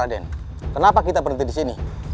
raden kenapa kita berhenti di sini